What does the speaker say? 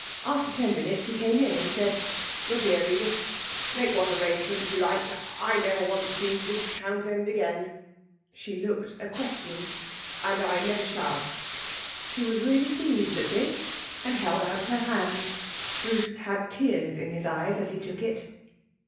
After ten minutes he came in and said: 'Look here, Edith. Make what arrangements you like. I never want to see Miss Townsend again.' She looked a question. 'And I never shall.' She was really pleased at this, and held out her hand. Bruce had tears in his eyes as he took it.